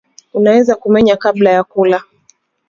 unaweza kumenya kabla ya kula